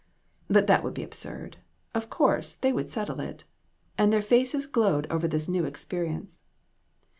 But that would be absurd ; of course, they would settle it ! And their faces glowed over this new experience.